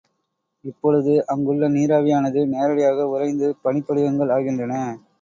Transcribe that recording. இப்பொழுது அங்குள்ள நீராவியானது நேரடியாக உறைந்து பனிப்படிகங்கள் ஆகின்றன.